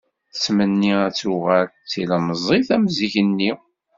Tettmenni ad tuɣal, d tilemẓit am zik-nni.